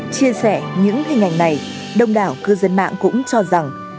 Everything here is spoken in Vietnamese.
chia sẻ những hình ảnh này đông đảo cư dân mạng cũng cho rằng